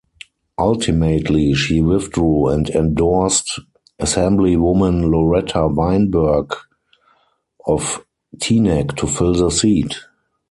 Ultimately, she withdrew and endorsed Assemblywoman Loretta Weinberg of Teaneck to fill the seat.